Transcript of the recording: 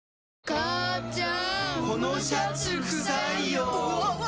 母ちゃん！